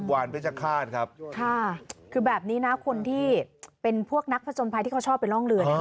วานเพชรฆาตครับค่ะคือแบบนี้นะคนที่เป็นพวกนักผจญภัยที่เขาชอบไปร่องเรือเนี่ย